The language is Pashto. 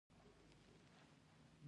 ایا کله مو ارواپوه لیدلی دی؟